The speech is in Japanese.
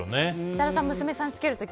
設楽さん、娘さんにつける時